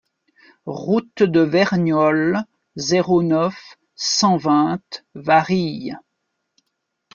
Route de Verniolle, zéro neuf, cent vingt Varilhes